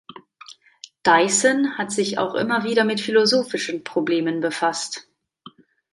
Dyson hat sich auch immer wieder mit philosophischen Problemen befasst.